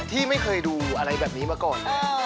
ที่ไม่เคยดูอะไรแบบนี้มาก่อน